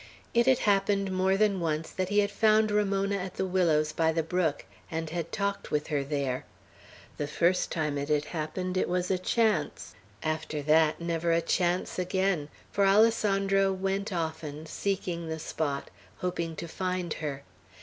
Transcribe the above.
It had happened more than once that he had found Ramona at the willows by the brook, and had talked with her there. The first time it happened, it was a chance; after that never a chance again, for Alessandro went often seeking the spot, hoping to find her.